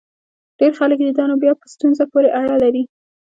ډېر خلک دي؟ دا نو بیا په ستونزه پورې اړه لري.